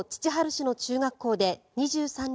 市の中学校で２３日